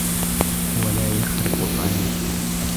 هو لا يخرق القانون.